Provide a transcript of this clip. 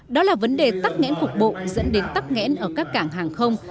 đó là vấn đề tắc nghẽn phục bộ dẫn đến tắc nghẽn ở các cảng hàng không